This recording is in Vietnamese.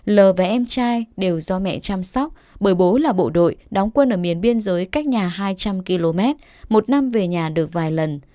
l và em trai đều do mẹ chăm sóc bởi bố là bộ đội đóng quân ở miền biên giới cách nhà hai trăm linh km một năm về nhà được vài lần